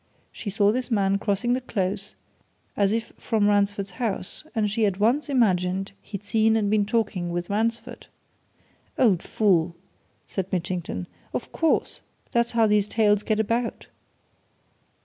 She saw this man crossing the Close, as if from Ransford's house and she at once imagined he'd seen and been talking with Ransford." "Old fool!" said Mitchington. "Of course, that's how these tales get about.